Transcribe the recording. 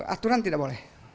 aturan tidak boleh